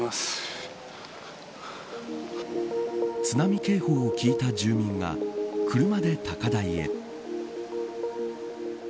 津波警報を聞いた住民が車で高台へ。